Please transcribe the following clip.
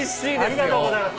ありがとうございます。